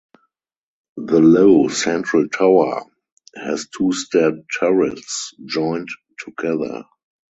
The low central tower has two stair turrets joined together.